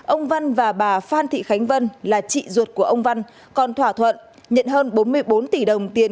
ông văn và bà phan thị khánh vân là chị ruột của ông văn còn thỏa thuận nhận hơn bốn mươi bốn tỷ đồng tiền